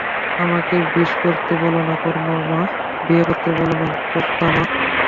আমাকে বিয়ে করতে বোলো না, কর্তা-মা।